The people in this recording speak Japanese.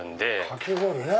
かき氷ね。